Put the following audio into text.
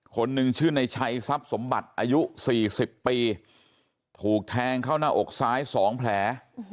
คนหนึ่งชื่อในชัยทรัพย์สมบัติอายุ๔๐ปีถูกแทงเข้าหน้าอกซ้าย๒แผล